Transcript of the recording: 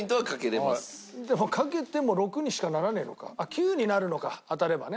９になるのか当たればね。